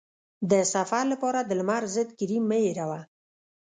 د سفر لپاره د لمر ضد کریم مه هېروه.